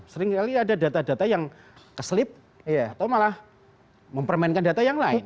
seringkali ada data data yang keselip atau malah mempermainkan data yang lain